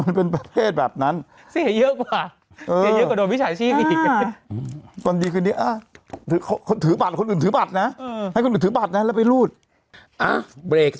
ก็ต้องไประวังพวกนี้จะต้องระวังพวกคนรอบตัว